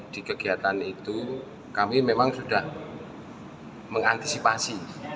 di kegiatan itu kami memang sudah mengantisipasi